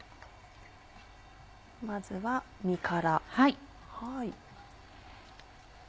まずは身から。